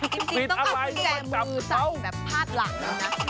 จริงต้องการแจมือซักแบบพาดหลังนะ